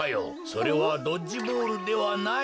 それはドッジボールではない。